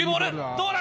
どうだ？